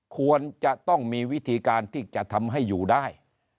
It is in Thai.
ควรจะต้องมีวิธีการที่จะทำให้อยู่ได้